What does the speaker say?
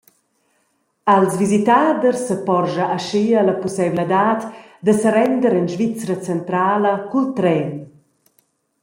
Als visitaders seporscha aschia la pusseivladad da serender en Svizra centrala cul tren.